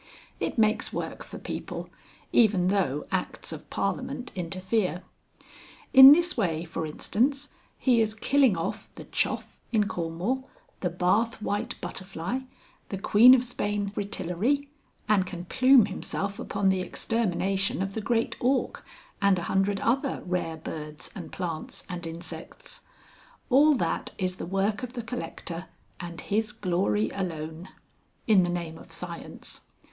It makes work for people, even though Acts of Parliament interfere. In this way, for instance, he is killing off the chough in Cornwall, the Bath white butterfly, the Queen of Spain Fritillary; and can plume himself upon the extermination of the Great Auk, and a hundred other rare birds and plants and insects. All that is the work of the collector and his glory alone. In the name of Science.